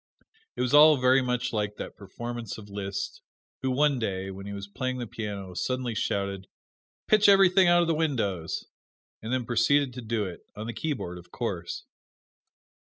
It was all very much like that performance of Liszt, who one day, when he was playing the piano, suddenly shouted, "Pitch everything out of the windows!" and then proceeded to do it on the keyboard, of course.